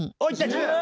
１０。